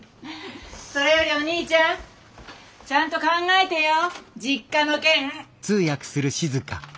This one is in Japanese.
それよりお兄ちゃんちゃんと考えてよ実家の件。